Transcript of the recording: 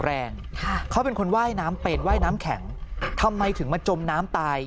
แรงเขาเป็นคนไหว้น้ำเป็ดไหว้น้ำแข็งทำไมถึงมาจมน้ำตาย